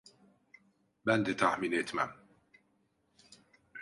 Ben de tahmin etmem…